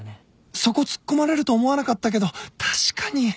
そこ突っ込まれると思わなかったけど確かに